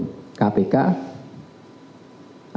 kpk atau kejaksaan atau polisi